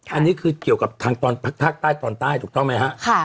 อันนี้คือเกี่ยวกับภาคไต้ตอนใต้ถูกต้องไหมครับ